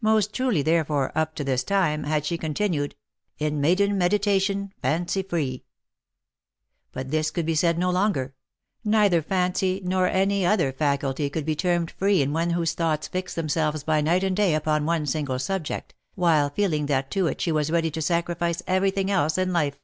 Most truly therefore, up to this time, had she continued " In maiden meditation, fancy free." But this could be said no longer ; neither fancy nor any other faculty could be termed free in one whose thoughts fixed themselves by night and day upon one single subject, while feeling that to it she was ready to sacrifice every thing else in life.